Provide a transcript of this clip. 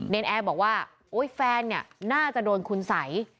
เน้นแอฟบอกว่าโอ้ยแฟนน่าจะโดนคุณสัย